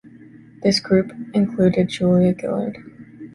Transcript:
This group included Julia Gillard.